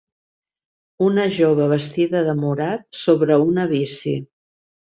Una jove vestida de morat sobre una bici